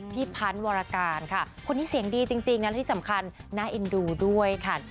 พี่พันธ์วรการค่ะคนนี้เสียงดีจริงและที่สำคัญน่าเอ็นดูด้วยค่ะ